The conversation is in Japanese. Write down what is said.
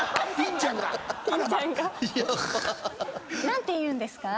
何て言うんですか？